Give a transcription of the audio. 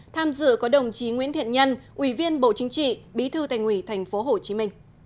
tham dự có đồng chí nguyễn thiện nhân ủy viên bộ chính trị bí thư tài nguyện tp hcm